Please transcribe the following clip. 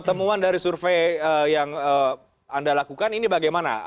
temuan dari survei yang anda lakukan ini bagaimana